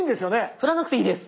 振らなくていいです。